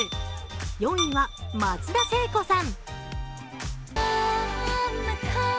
４位は松田聖子さん。